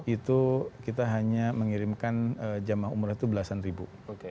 itu kita hanya mengirimkan jemaah umroh itu belasan ribu